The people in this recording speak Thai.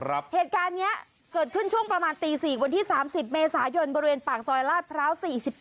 เหตุการณ์นี้เกิดขึ้นช่วงประมาณตี๔วันที่๓๐เมษายนบริเวณปากซอยลาดพร้าว๔๗